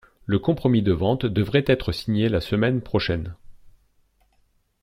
Le compromis de vente devrait être signé la semaine prochaine.